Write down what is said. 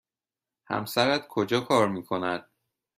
همسرت کجا کار می کند؟